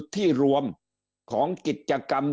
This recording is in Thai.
ที่รวมของกิจกรรม